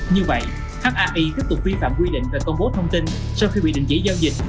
như vậy hi tiếp tục vi phạm quy định về công bố thông tin sau khi bị đình chỉ giao dịch